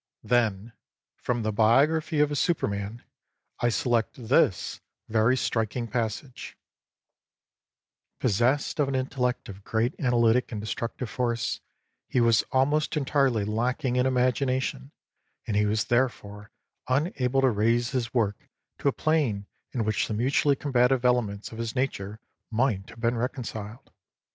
Then from " The Biography of a Superman "/ select this very striking passage: Possessed of an intellect of great analytic and destructive force, he was almost entirely lacking in imagination, and he was therefore unable to raise his work to a plane in which the mutually combative elements of his nature might have been reconciled.